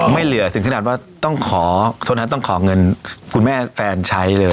ไม่เหลือสิ่งที่ราชว่าต้องขอเงินคุณแม่แฟนใช้เลย